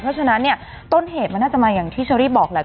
เพราะฉะนั้นเนี่ยต้นเหตุมันน่าจะมาอย่างที่เชอรี่บอกแหละ